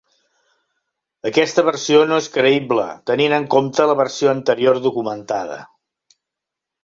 Aquesta versió no és creïble, tenint en compte la versió anterior documentada.